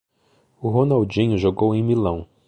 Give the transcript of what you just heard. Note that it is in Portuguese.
O Ronaldinho jogou em Milão.